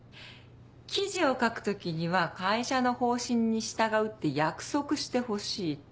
記事を書く時には会社の方針に従うって約束してほしいって。